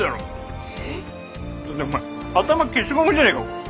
えっ？だってお前頭消しゴムじゃねえかこれ。